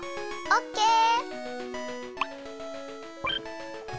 オッケー！